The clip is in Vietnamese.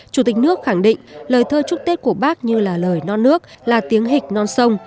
chủ tịch nước khẳng định lời thơ chúc tết của bác như là lời non nước là tiếng hịch non sông